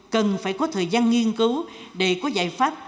cần phải có thời gian nghiên cứu để có giải pháp